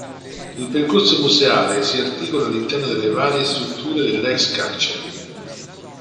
Il percorso museale si articola all'interno delle varie strutture dell'ex carcere.